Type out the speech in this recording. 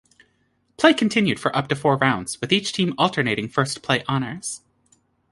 Play continued for up to four rounds, with each team alternating first-play honors.